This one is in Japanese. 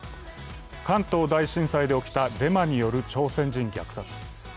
関東大震災で起きたデマによる朝鮮人虐殺事件。